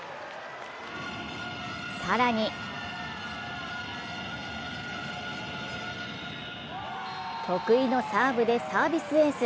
更に、得意のサーブでサービスエース。